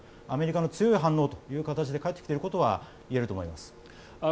アメリカの強い反応という形で返ってきているということはいえると思います。